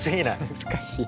難しい。